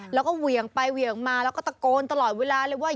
แล้วก็เหวี่ยงไปเหวี่ยงมาแล้วก็ตะโกนตลอดเวลาเลยว่า